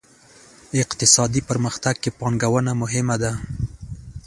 اقتصادي پرمختګ کې پانګونه مهمه ده.